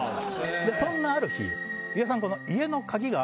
そんなある日裕也さん。